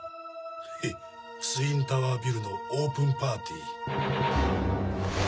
へッツインタワービルのオープンパーティー。